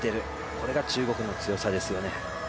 これが中国の強さですよね。